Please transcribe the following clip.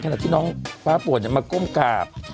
ขณะที่น้องฟ้าปวดมาก้มกราบ